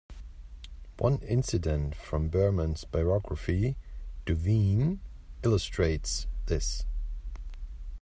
One incident from Behrman's biography, "Duveen", illustrates this.